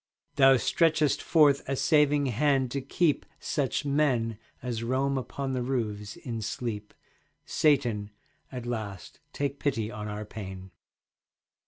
Thou stretchest forth a saving hand to keep Such men as roam upon the roofs in sleep. Satan, at last take pity on our pain.